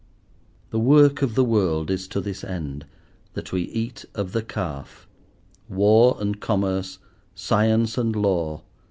The work of the world is to this end, that we eat of the Calf. War and Commerce, Science and Law!